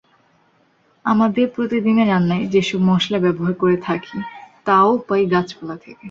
আমাদের প্রতিদিনের রান্নায় যেসব মসলা ব্যবহার করে থাকি, তা-ও পাই গাছপালা থেকে।